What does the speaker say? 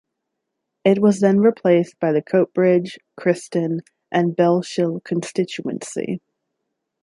It was then replaced by the Coatbridge, Chryston and Bellshill constituency.